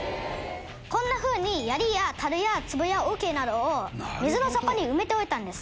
こんな風に槍や樽や壺や桶などを水の底に埋めておいたんです。